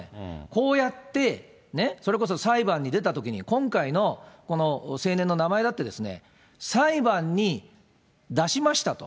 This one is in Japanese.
こうやって、それこそ裁判に出たときに今回のこの青年の名前だって、裁判に出しましたと。